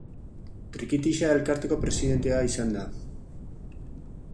Trikitixa Elkarteko presidentea izan da.